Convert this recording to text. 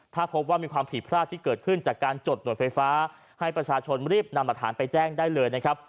ถ้าพบว่ามีความผิดพลาดที่เกิดขึ้นจากการจดหน่วยไฟฟ้าให้ประชาชนรีบนำหลักฐานไปแจ้งได้เลยนะครับ